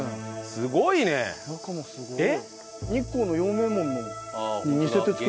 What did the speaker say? すごいねえ。